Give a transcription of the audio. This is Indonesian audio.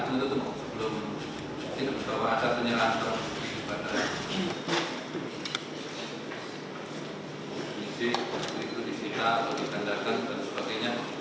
sebelum saya kasih tahu bahwa ada penyerahan terhadap penyelidikan barang bukti